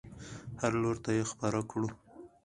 هر لور ته یې خپره کړو.